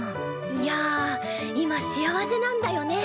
いや今幸せなんだよね。